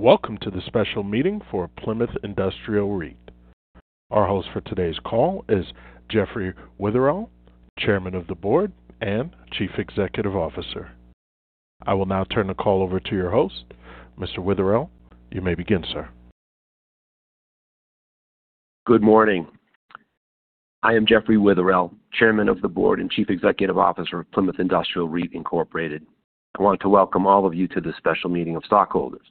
Welcome to the special meeting for Plymouth Industrial REIT. Our host for today's call is Jeffrey Witherell, Chairman of the Board and Chief Executive Officer. I will now turn the call over to your host, Mr. Witherell. You may begin, sir. Good morning. I am Jeffrey Witherell, Chairman of the Board and Chief Executive Officer of Plymouth Industrial REIT, Incorporated. I want to welcome all of you to this special meeting of stockholders.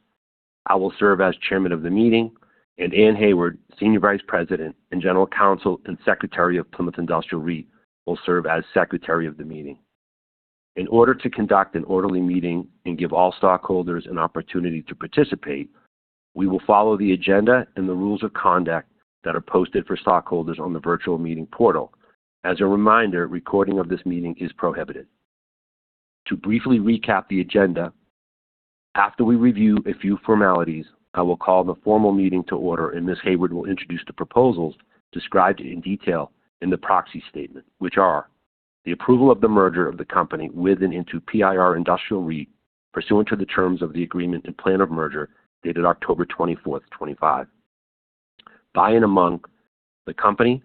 I will serve as Chairman of the Meeting, and Anne Hayward, Senior Vice President and General Counsel and Secretary of Plymouth Industrial REIT, will serve as Secretary of the Meeting. In order to conduct an orderly meeting and give all stockholders an opportunity to participate, we will follow the agenda and the rules of conduct that are posted for stockholders on the virtual meeting portal. As a reminder, recording of this meeting is prohibited. To briefly recap the agenda, after we review a few formalities, I will call the formal meeting to order, and Ms. Hayward will introduce the proposals described in detail in the proxy statement, which are: the approval of the merger of the company with and into PIR Industrial REIT, pursuant to the terms of the agreement and plan of merger dated October 24, 2025; between the company,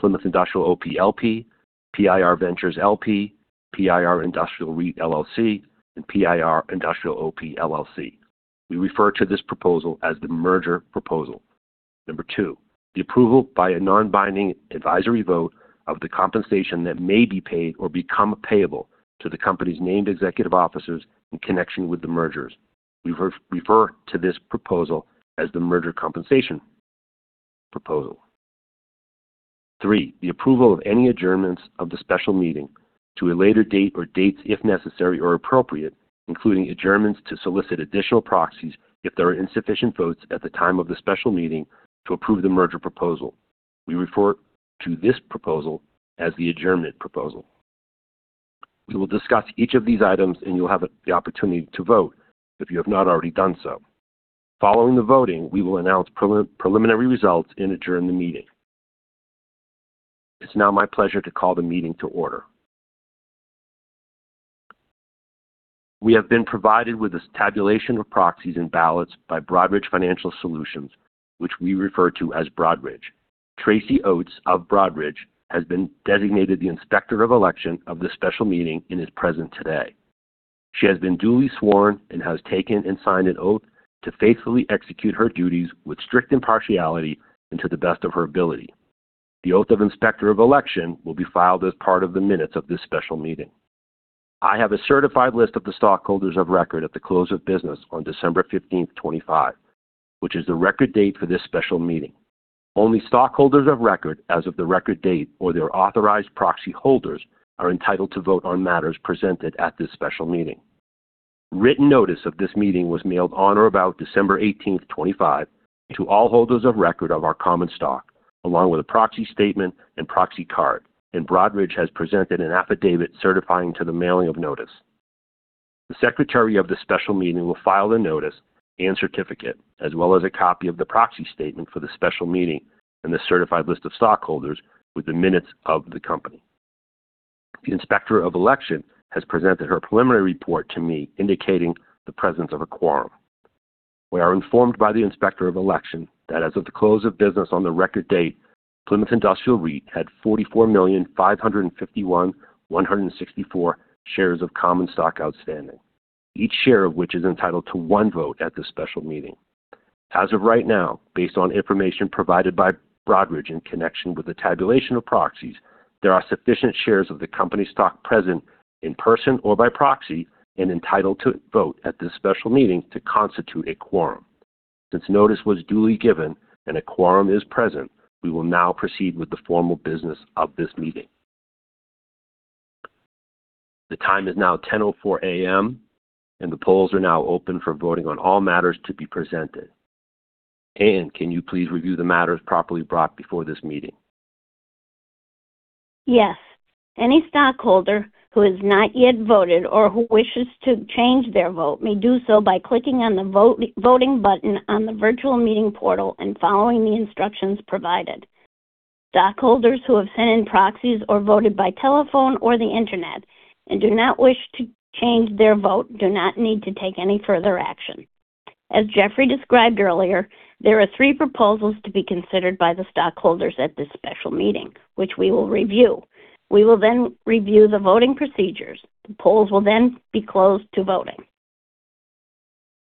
Plymouth Industrial OP, L.P.; PIR Ventures, L.P.; PIR Industrial REIT, LLC; and PIR Industrial OP, LLC. We refer to this proposal as the merger proposal. Number two, the approval by a non-binding advisory vote of the compensation that may be paid or become payable to the company's named executive officers in connection with the mergers. We refer to this proposal as the merger compensation proposal. Three, the approval of any adjournments of the special meeting to a later date or dates if necessary or appropriate, including adjournments to solicit additional proxies if there are insufficient votes at the time of the special meeting to approve the merger proposal. We refer to this proposal as the adjournment proposal. We will discuss each of these items, and you'll have the opportunity to vote if you have not already done so. Following the voting, we will announce preliminary results and adjourn the meeting. It's now my pleasure to call the meeting to order. We have been provided with a tabulation of proxies and ballots by Broadridge Financial Solutions, which we refer to as Broadridge. Tracy Oates of Broadridge has been designated the inspector of election of the special meeting and is present today. She has been duly sworn and has taken and signed an oath to faithfully execute her duties with strict impartiality and to the best of her ability. The oath of inspector of election will be filed as part of the minutes of this special meeting. I have a certified list of the stockholders of record at the close of business on December 15, 2025, which is the record date for this special meeting. Only stockholders of record as of the record date or their authorized proxy holders are entitled to vote on matters presented at this special meeting. Written notice of this meeting was mailed on or about December 18, 2025, to all holders of record of our common stock, along with a proxy statement and proxy card, and Broadridge has presented an affidavit certifying to the mailing of notice. The secretary of the special meeting will file the notice and certificate, as well as a copy of the proxy statement for the special meeting and the certified list of stockholders with the minutes of the company. The inspector of election has presented her preliminary report to me, indicating the presence of a quorum. We are informed by the inspector of election that as of the close of business on the record date, Plymouth Industrial REIT had 44,551,164 shares of common stock outstanding, each share of which is entitled to one vote at the special meeting. As of right now, based on information provided by Broadridge in connection with the tabulation of proxies, there are sufficient shares of the company stock present in person or by proxy and entitled to vote at this special meeting to constitute a quorum. Since notice was duly given and a quorum is present, we will now proceed with the formal business of this meeting. The time is now 10:04 A.M., and the polls are now open for voting on all matters to be presented. Anne, can you please review the matters properly brought before this meeting? Yes. Any stockholder who has not yet voted or who wishes to change their vote may do so by clicking on the voting button on the virtual meeting portal and following the instructions provided. Stockholders who have sent in proxies or voted by telephone or the internet and do not wish to change their vote do not need to take any further action. As Jeffrey described earlier, there are three proposals to be considered by the stockholders at this special meeting, which we will review. We will then review the voting procedures. The polls will then be closed to voting.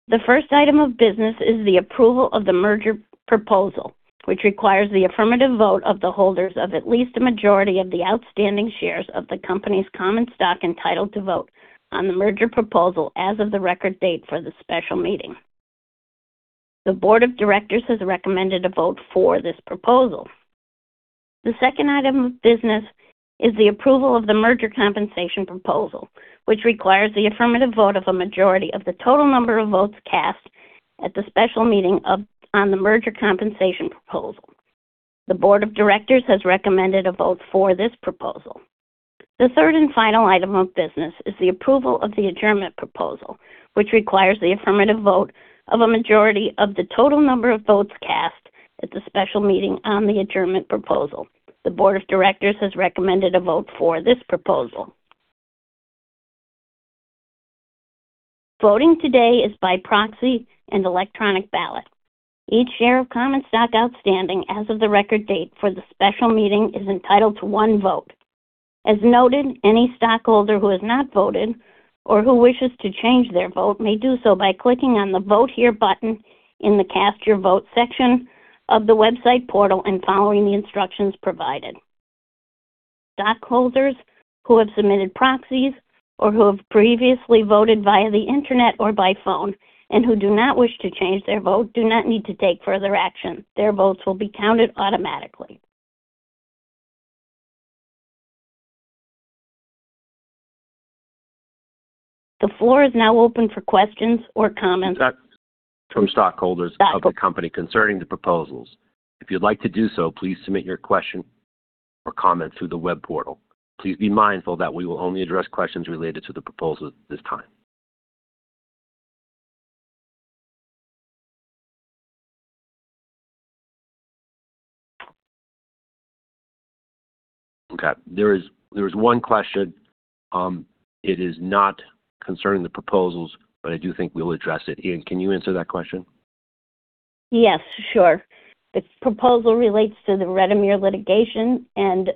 The first item of business is the approval of the merger proposal, which requires the affirmative vote of the holders of at least a majority of the outstanding shares of the company's common stock entitled to vote on the merger proposal as of the record date for the special meeting. The Board of Directors has recommended a vote for this proposal. The second item of business is the approval of the merger compensation proposal, which requires the affirmative vote of a majority of the total number of votes cast at the special meeting on the merger compensation proposal. The Board of Directors has recommended a vote for this proposal. The third and final item of business is the approval of the adjournment proposal, which requires the affirmative vote of a majority of the total number of votes cast at the special meeting on the adjournment proposal. The Board of Directors has recommended a vote for this proposal. Voting today is by proxy and electronic ballot. Each share of common stock outstanding as of the record date for the special meeting is entitled to one vote. As noted, any stockholder who has not voted or who wishes to change their vote may do so by clicking on the "Vote Here" button in the "Cast Your Vote" section of the website portal and following the instructions provided. Stockholders who have submitted proxies or who have previously voted via the internet or by phone and who do not wish to change their vote do not need to take further action. Their votes will be counted automatically. The floor is now open for questions or comments. From stockholders of the company concerning the proposals. If you'd like to do so, please submit your question or comment through the web portal. Please be mindful that we will only address questions related to the proposal at this time. Okay. There is one question. It is not concerning the proposals, but I do think we'll address it. Anne, can you answer that question? Yes, sure. The proposal relates to the Redimere litigation, and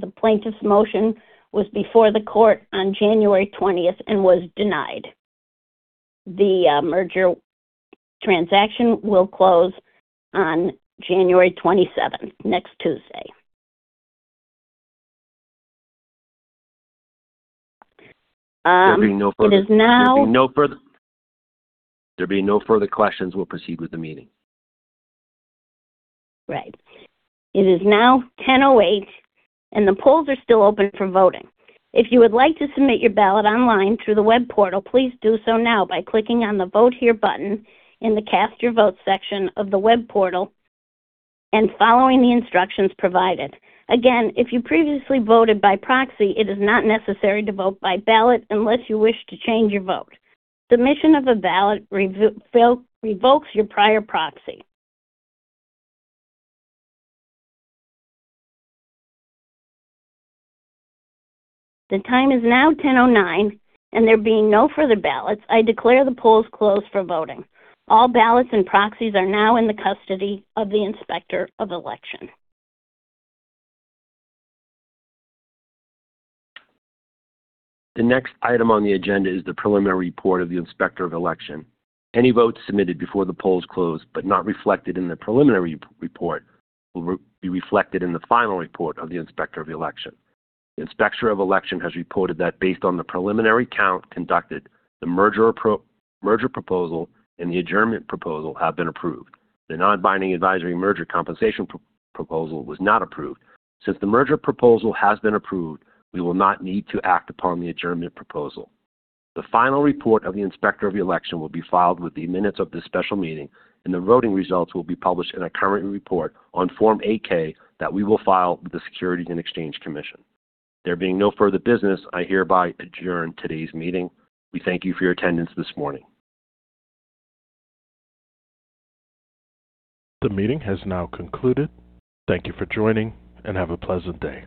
the plaintiff's motion was before the court on January 20th and was denied. The merger transaction will close on January 27th, next Tuesday. There being no further. It is now. There being no further questions, we'll proceed with the meeting. Right. It is now 10:08 A.M., and the polls are still open for voting. If you would like to submit your ballot online through the web portal, please do so now by clicking on the "Vote Here" button in the "Cast Your Vote" section of the web portal and following the instructions provided. Again, if you previously voted by proxy, it is not necessary to vote by ballot unless you wish to change your vote. Submission of a ballot revokes your prior proxy. The time is now 10:09 A.M., and there being no further ballots, I declare the polls closed for voting. All ballots and proxies are now in the custody of the inspector of election. The next item on the agenda is the preliminary report of the inspector of election. Any votes submitted before the polls close but not reflected in the preliminary report will be reflected in the final report of the inspector of election. The inspector of election has reported that based on the preliminary count conducted, the merger proposal and the adjournment proposal have been approved. The non-binding advisory merger compensation proposal was not approved. Since the merger proposal has been approved, we will not need to act upon the adjournment proposal. The final report of the inspector of election will be filed with the minutes of the special meeting, and the voting results will be published in a current report on Form 8-K that we will file with the Securities and Exchange Commission. There being no further business, I hereby adjourn today's meeting. We thank you for your attendance this morning. The meeting has now concluded. Thank you for joining, and have a pleasant day.